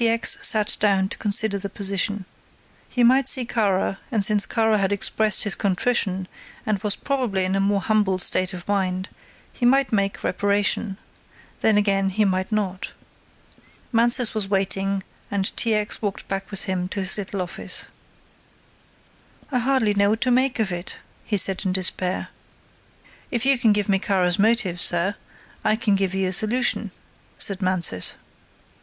X. sat down to consider the position. He might see Kara and since Kara had expressed his contrition and was probably in a more humble state of mind, he might make reparation. Then again he might not. Mansus was waiting and T. X. walked back with him to his little office. "I hardly know what to make of it," he said in despair. "If you can give me Kara's motive, sir, I can give you a solution," said Mansus.